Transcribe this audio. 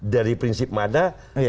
dari prinsip mana